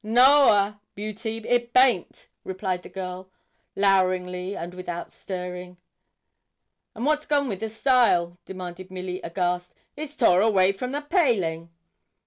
'No a, Beauty; it baint,' replied the girl, loweringly, and without stirring. 'And what's gone with the stile?' demanded Milly, aghast. 'It's tore away from the paling!'